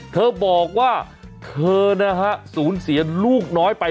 เธอบอกว่าเธอนะฮะศูนย์เสียลูกน้อยไป